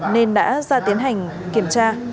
nên đã ra tiến hành kiểm tra